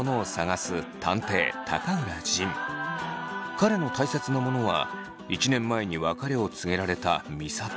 彼のたいせつなものは１年前に別れを告げられた美里。